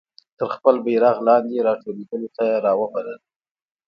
تر خپل بیرغ لاندي را ټولېدلو ته را وبلل.